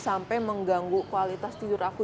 sampai mengganggu kualitas tidur aku